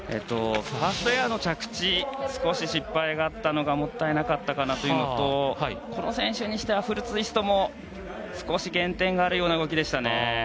ファーストエアの着地失敗があったのがもったいなかったのとこの選手にしてはフルツイストも少し減点があるような動きでした。